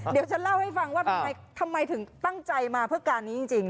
เดี๋ยวฉันเล่าให้ฟังว่าทำไมถึงตั้งใจมาเพื่อการนี้จริง